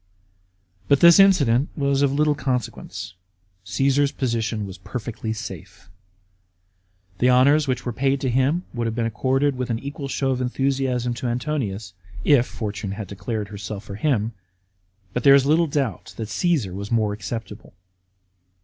But this incident was of little consequence; Caasar's position was perfectly safe. The honours which were paid to him would have been accorded with an equal show of enthusiasm to Antonius, if fortune had declared her self for him; but there is little doubt that Caesar was more acceptable.